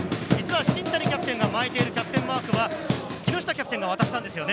新谷キャプテンが巻いているキャプテンマークは木下キャプテンが渡したんですね。